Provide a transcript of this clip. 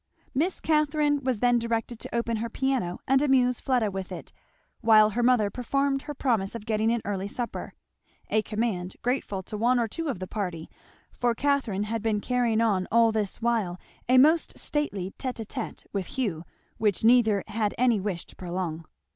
Miss Catharine was then directed to open her piano and amuse Fleda with it while her mother performed her promise of getting an early supper; a command grateful to one or two of the party, for Catharine had been carrying on all this while a most stately tête à tête with Hugh which neither had any wish to prolong.